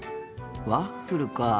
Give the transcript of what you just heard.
ワッフルか。